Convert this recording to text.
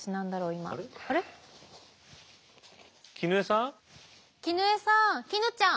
絹枝さん絹ちゃん。